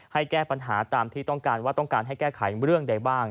ให้แก้ปัญหาตามที่ต้องการว่าต้องการให้แก้ไขเรื่องใดบ้าง